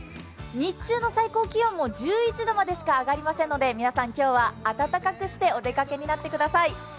日中の最高気温も１１度までしか上がりませんので皆さん、今日は暖かくしてお出かけになってください。